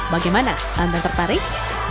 bagaimana anda tertarik